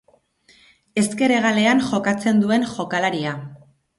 Ezker hegalean jokatzen duen jokalaria.